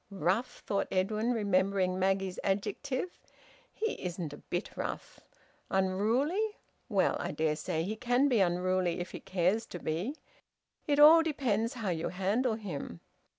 "Rough!" thought Edwin, remembering Maggie's adjective. "He isn't a bit rough! Unruly? Well, I dare say he can be unruly if he cares to be. It all depends how you handle him."